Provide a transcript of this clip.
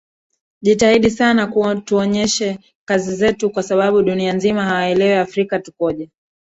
jitahidi sana tuonyeshe kazi zetu kwa sababu dunia nzima hawaelewi afrika tukoje